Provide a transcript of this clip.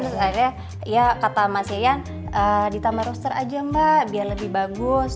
terus akhirnya ya kata mas yayan ditambah roster aja mbak biar lebih bagus